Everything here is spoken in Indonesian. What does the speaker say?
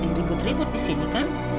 kamu harus berpikir pikir di sini kan